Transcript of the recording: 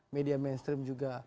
media mainstream juga